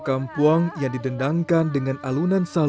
kalau mcharged dan nbjak mulakan zaed